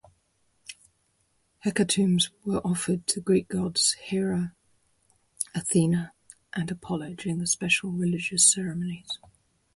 Hecatombs were offered to Greek gods Hera, Athena, and Apollo, during special religious ceremonies.